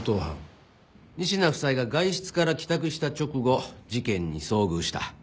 仁科夫妻が外出から帰宅した直後事件に遭遇した。